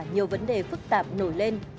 nhiều vấn đề phức tạp nổi lên